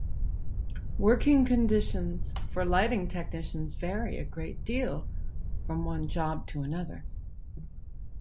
Working conditions for lighting technicians vary a great deal from one job to another.